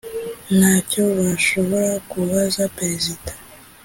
nta cyo bashobora kubaza perezida